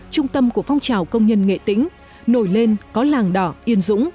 trung tâm của phong trào công nhân nghệ tĩnh nổi lên có làng đỏ yên dũng